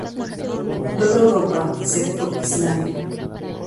En toda Europa excepto Islandia.